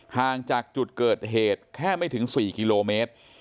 ห่างจากจุดเกิดเหตุแค่ไม่ถึง๔กิโลเมตร